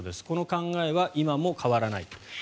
この考えは今も変わらないと。